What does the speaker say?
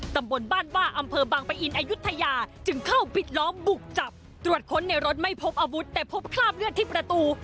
ตำบลบ้านว่าอำเภอบางปะอินอายุทยาจึงเข้าปิดล้อมบุกจับตรวจค้นในรถไม่พบอาวุธแต่พบคราบเลือดที่ประตู